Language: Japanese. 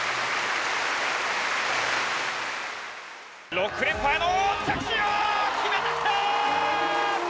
６連覇への着地決めてきた！